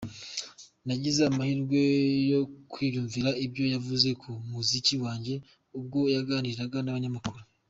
Nagize amahirwe yo kwiyumvira ibyo yavuze ku muziki wanjye ubwo yaganiraga n’abanyamakuru.